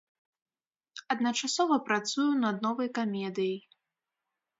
Адначасова працую над новай камедыяй.